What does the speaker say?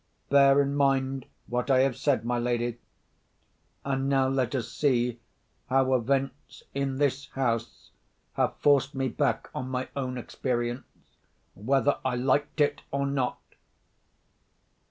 Bear in mind what I have said, my lady—and now let us see how events in this house have forced me back on my own experience, whether I liked it or not!"